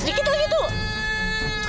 sedikit lagi tuh